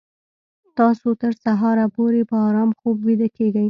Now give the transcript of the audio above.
تاسو تر سهاره پورې په ارام خوب ویده کیږئ